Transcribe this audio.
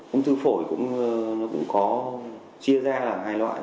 ung thư phổi cũng có chia ra làm hai loại